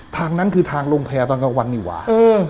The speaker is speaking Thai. ทางนั้นคือทางลงแพร่ตอนกลางวันนี่หว่า